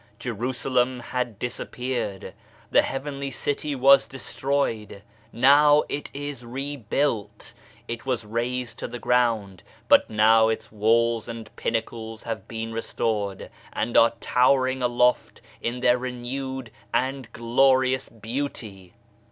Jerusalem had disappeared. The heavenly city was destroyed, now it is rebuilt ; it was razed to the ground, but now its walls and pinnacles have been restored, and are towering aloft in their renewed and glorious beauty.